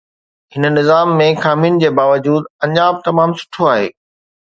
هن نظام ۾ خامين جي باوجود، اڃا به تمام سٺو آهي.